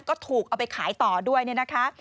ก็ถูกเอาไปขายต่อด้วยเนี่ยนะคะ